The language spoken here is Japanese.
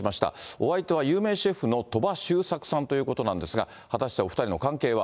お相手は有名シェフの鳥羽周作さんということなんですが、果たしてお２人の関係は。